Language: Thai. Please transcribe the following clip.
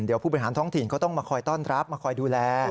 เดี๋ยวผู้บริหารท้องถิ่นเขาต้องมาคอยต้อนรับมาคอยดูแล